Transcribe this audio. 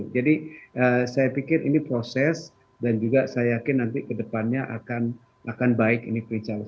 jadi saya pikir ini proses dan juga saya yakin nanti kedepannya akan baik ini prince charles